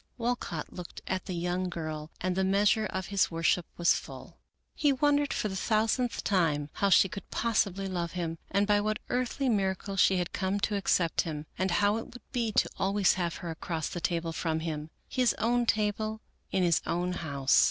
Walcott looked at the young girl and the measure of his worship was full. He wondered for the thousandth time how she could possibly love him and by what earthly miracle she had come to accept him, and how it would be always to have her across the table from him, his own table in his own house.